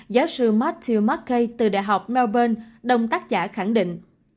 giáo sư matthew mckay từ đại học melbourne đồng tác giả khẳng định